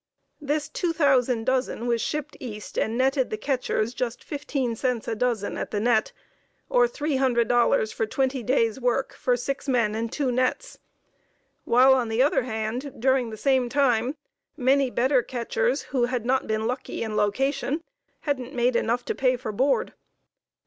This 2,000 dozen was shipped East and netted the catchers just fifteen cents a dozen at the net, or $300 for twenty days' work for six men and two nets, while on the other hand, during the same time, many better catchers who had not been lucky in location hadn't made enough to pay for board.